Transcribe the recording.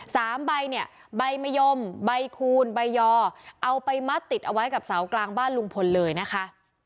สามใบเนี่ยใบมะยมใบคูณใบยอเอาไปมัดติดเอาไว้กับเสากลางบ้านลุงพลเลยนะคะ